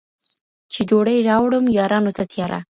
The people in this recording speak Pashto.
چي ډوډۍ راوړم یارانو ته تیاره